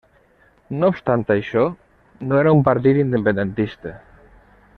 No obstant això, no era un partit independentista.